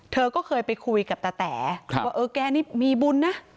เธอก็เคยไปคุยกับตาแต๋ว่าเออแกนี่มีบุญนะ